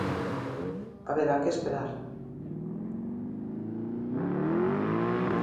Haberá que esperar.